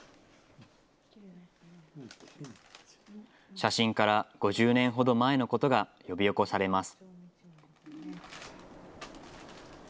写真から、５０年ほど前のことが呼び起こされます。